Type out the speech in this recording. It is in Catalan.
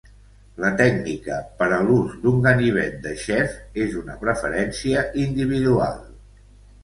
La tècnica per a l'ús d'un ganivet de xef és una preferència individual.